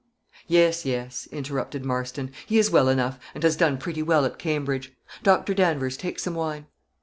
"Yes, yes," interrupted Marston; "he is well enough, and has done pretty well at Cambridge. Doctor Danvers, take some wine."